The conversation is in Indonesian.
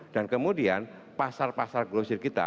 dan kemudian pasar pasar klosir kita